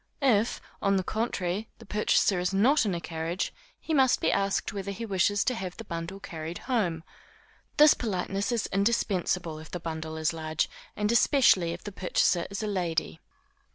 If, on the contrary, the purchaser is not in a carriage, he must be asked whether he wishes to have the bundle carried home. This politeness is indispensable if the bundle is large, and especially if the purchaser is a lady.